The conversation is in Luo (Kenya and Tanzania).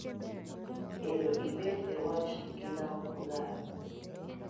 Ero ibet e wach gi law ogara